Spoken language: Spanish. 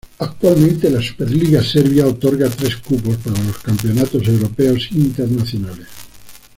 Actualmente, la SuperLiga Serbia otorga tres cupos para los campeonatos europeos internacionales.